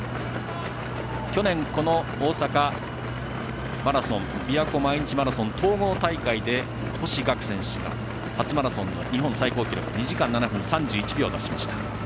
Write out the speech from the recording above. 去年、この大阪マラソンびわ湖毎日マラソン、統合大会で星岳選手が初マラソンの日本最高記録２時間７分３１秒を出しました。